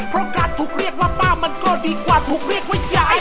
เพราะการถูกเรียกว่าป้ามันก็ดีกว่าถูกเรียกว่าย้าย